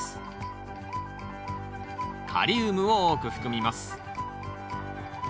カリウムを多く含みます。